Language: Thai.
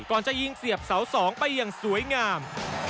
จะยิงเสียบเสา๒ไปอย่างสวยงาม